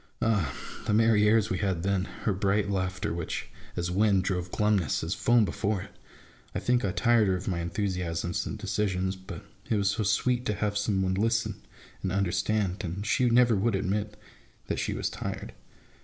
Ah ! the merry airs we had then : her bright laughter which, as wind, drove glumness, as foam, before it ! I think I tired her of my enthusiasms and decisions; but it was so sweet to have some one to listen and understand, and she never would admit that she was tired.